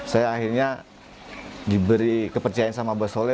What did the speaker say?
saya akhirnya diberi kepercayaan sama bos saya